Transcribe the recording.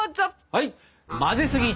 はい！